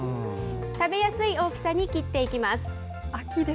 食べやすい大きさに切っていきます。